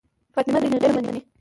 فاطمه د هغه مینه مني.